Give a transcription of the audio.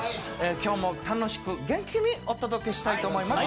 今日も楽しく元気にお届けしたいと思います。